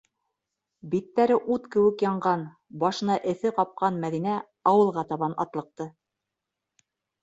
Биттәре ут кеүек янған, башына эҫе ҡапҡан Мәҙинә ауылға табан атлыҡты.